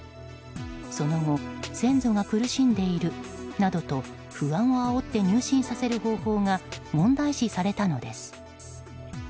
その後先祖が苦しんでいるなどと不安をあおって入信させる方法が問題視されたのです。